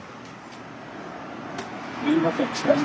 すみません。